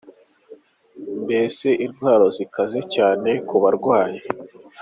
Mbese intwaro zikaze cyane ku barwanyi.